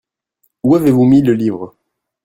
Où avez-vous mis le livre ?